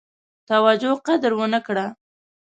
توجه قدر ونه کړه.